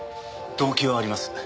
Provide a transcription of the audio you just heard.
動機はあります。